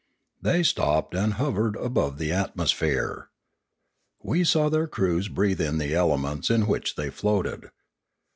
They stopped and hovered above the atmosphere. We saw their crews breathe in the elements in which they floated.